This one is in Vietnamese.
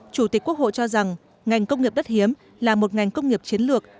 chủ tịch quốc hội cho rằng ngành công nghiệp đất hiếm là một ngành công nghiệp chiến lược